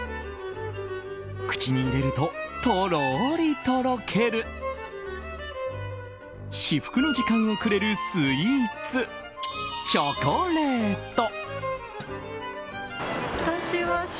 口に入れるととろーりとろける至福の時間をくれるスイーツチョコレート。